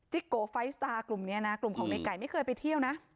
จิ๊กโก๕สตาร์กลุ่มเนี้ยนะกลุ่มของเน่ไก่ไม่เคยไปเที่ยวนะ